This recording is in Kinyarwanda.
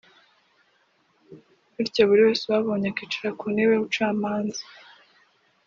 bityo buri wese ubabonye akicara ku ntebe y’umucamanza